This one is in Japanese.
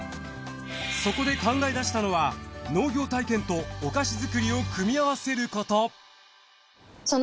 そこで考え出したのは農業体験とお菓子作りを組み合わせること。